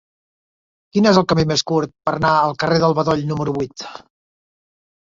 Quin és el camí més curt per anar al carrer del Bedoll número vuit?